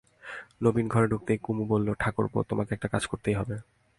নবীন ঘরে ঢুকতেই কুমু বললে, ঠাকুরপো, তোমাকে একটি কাজ করতেই হবে।